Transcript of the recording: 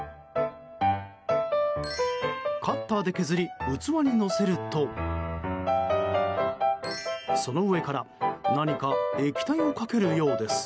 カッターで削り、器にのせるとその上から何か液体をかけるようです。